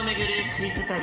クイズ旅。